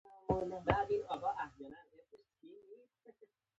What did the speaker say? افغانستان کې د سلیمان غر لپاره دپرمختیا پروګرامونه شته.